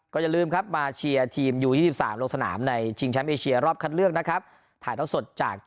ก็อย่าลืมครับมาเชียร์ทีมโรศนามในชิงแล้วครับภาษาเลือกนะครับถ่ายโทษสดจาก